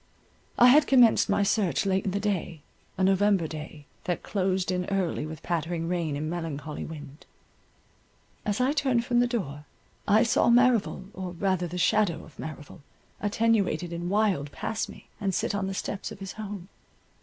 I had commenced my search late in the day, a November day, that closed in early with pattering rain and melancholy wind. As I turned from the door, I saw Merrival, or rather the shadow of Merrival, attenuated and wild, pass me, and sit on the steps of his home.